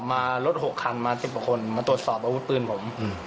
มารถ๖คันมา๑๐กว่าคนมาตรวจสอบอาวุธปืนผม